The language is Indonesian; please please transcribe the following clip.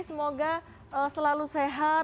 semoga selalu sehat